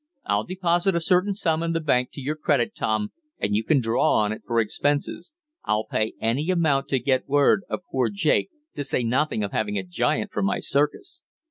I'll deposit a certain sum in the bank to your credit, Tom, and you can draw on it for expenses. I'll pay any amount to get word of poor Jake, to say nothing of having a giant for my circus.